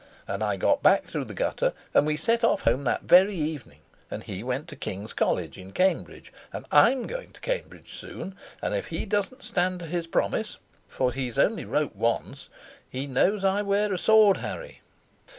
And I got back through the gutter; and we set off home that very evening. And he went to King's College, in Cambridge, and I'M going to Cambridge soon; and if he doesn't stand to his promise (for he's only wrote once), he knows I wear a sword, Harry.